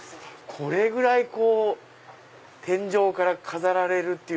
これぐらい天井から飾られるっていう。